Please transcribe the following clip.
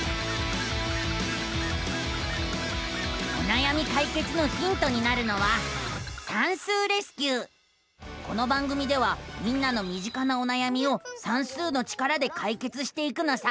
おなやみかいけつのヒントになるのはこの番組ではみんなのみ近なおなやみを算数の力でかいけつしていくのさ！